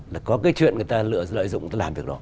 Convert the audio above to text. là có cái chuyện người ta lợi dụng làm việc đó